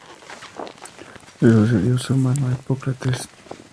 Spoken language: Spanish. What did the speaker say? Le sucedió su hermano Hipócrates.